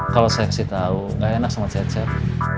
kalau saya kasih tahu gak enak sama cecep